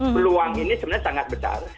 peluang ini sebenarnya sangat besar